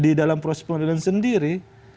di dalam proses pengadilan sendiri